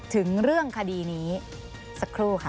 ถึงเรื่องคดีนี้สักครู่ค่ะ